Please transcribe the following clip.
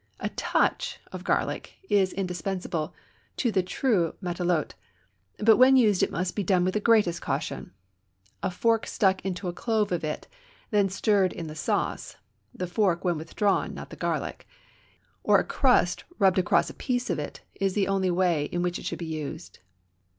A touch of garlic is indispensable to the true matelote, but when used it must be done with the greatest caution; a fork stuck into a clove of it, then stirred in the sauce (the fork, when withdrawn, not the garlic), or a crust rubbed once across a piece of it, is the only way in which it should be used.